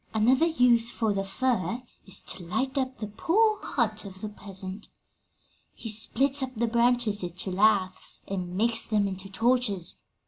"Another use for the fir is to light up the poor hut of the peasant. 'He splits up the branches into laths and makes them into torches.